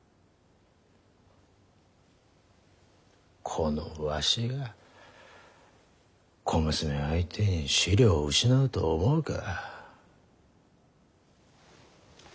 このわしが小娘相手に思慮を失うと思うか？